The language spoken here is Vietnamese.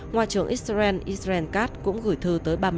ngoại trưởng israel israel katz cũng gửi thư tới